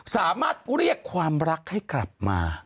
สามารถเรียกความรักให้กลับมา